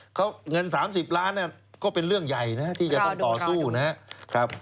เขาเงิน๓๐ล้านก็เป็นเรื่องใหญ่นะที่จะต้องต่อสู้นะครับ